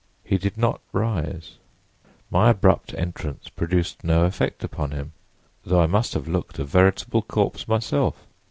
He did not rise: my abrupt entrance produced no effect upon him, though I must have looked a veritable corpse myself.